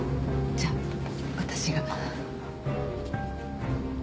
じゃ私が。